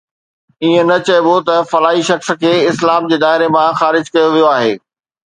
ائين نه چئبو ته فلاڻي شخص کي اسلام جي دائري مان خارج ڪيو ويو آهي